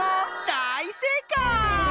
だいせいかい！